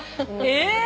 えっ！？